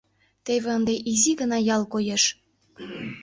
Теве ынде изи гына ял коеш.